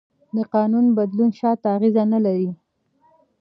د قانون بدلون شاته اغېز نه لري.